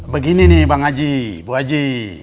begini nih bang haji ibu aji